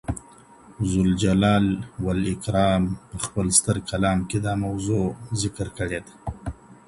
ذوالجلال والاکرام پخپل ستر کلام کي دا موضوع ذکر کړې ده.